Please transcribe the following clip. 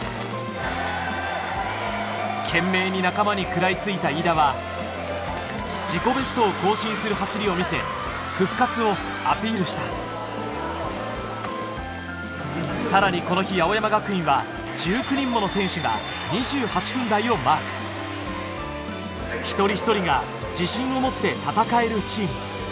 懸命に仲間に食らい付いた飯田は自己ベストを更新する走りを見せ復活をアピールしたさらにこの日青山学院は１９人もの選手が２８分台をマーク１人１人が自信を持って戦えるチーム